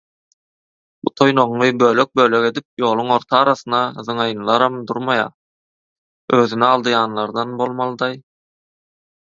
Bu toýnagyňy bölek-bölek edip ýoluň ortarasyna zyňaýynlaram durmaýar, özüni aldaýanlardan bolmalydaý.